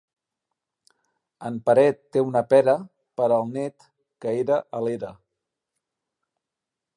En Peret té una pera per al net que era a l'era.